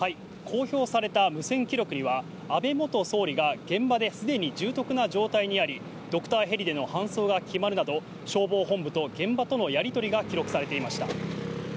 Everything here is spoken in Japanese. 公表された無線記録には安倍元総理が現場ですでに重篤な状態にあり、ドクターヘリでの搬送が決まるなど消防本部と現場とのやりとりが記録されていました。